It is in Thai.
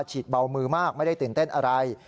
เบามือมากไม่ได้ตื่นเต้นอะไร